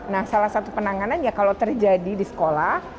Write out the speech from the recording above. nah salah satu penanganan ya kalau terjadi di sekolah